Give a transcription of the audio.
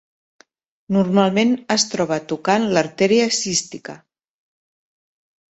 Normalment es troba tocant l'artèria cística.